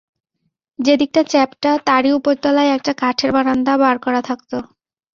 যেদিকটা চেপ্টা, তারই উপর তলায় একটা কাঠের বারান্দা বার করা থাকত।